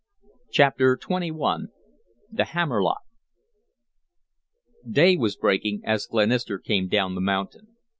CHAPTER XXI THE HAMMER LOCK Day was breaking as Glenister came down the mountain.